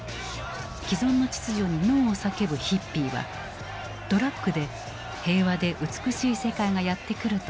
既存の秩序にノーを叫ぶヒッピーはドラッグで平和で美しい世界がやって来ると信じていた。